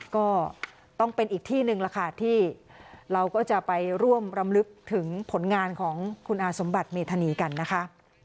ก็ต้องเป็นอีกที่หนึ่งล่ะค่ะที่เราก็จะไปร่วมรำลึกถึงผลงานของคุณอาสมบัติเมธานีกันนะคะ